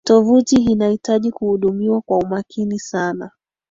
tovuti inahitaji kuhudumiwa kwa umakini sana